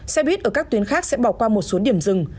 xe buýt ở các tuyến khác sẽ bỏ qua một số điểm dừng